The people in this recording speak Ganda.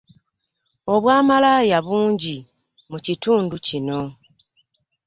Obwamalaya bungi mu kitundu kino.